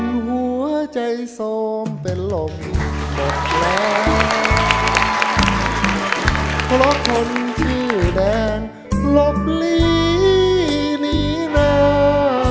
คนหัวใจโทรมเป็นหลบหมดแล้วเพราะคนชื่อแดงหลบลีนี่นา